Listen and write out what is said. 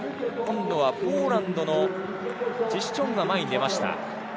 今度はポーランドのチシュチョンが前に出ました。